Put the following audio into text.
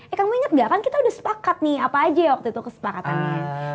eh kamu inget gak kan kita udah sepakat nih apa aja waktu itu kesepakatannya